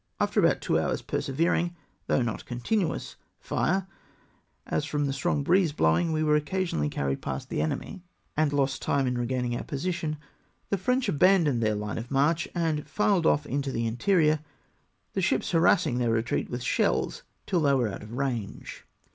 After about two hours persevermg — though not con tinuous fire, — as from the strong breeze blowing, we were occasionally carried past the enemy, and lost time in regaining our position ; the French abandoned their hue of march, and filed off mto the interior, the ships harassing their retreat with shells till they were out of range.